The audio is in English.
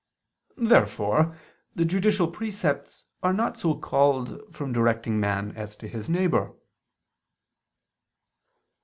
Therefore the judicial precepts are not so called from directing man as to his neighbor.